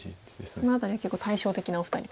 その辺りは結構対照的なお二人と。